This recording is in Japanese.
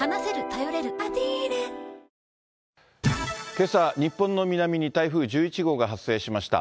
けさ、日本の南に台風１１号が発生しました。